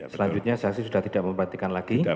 selanjutnya saksi sudah tidak memperhatikan lagi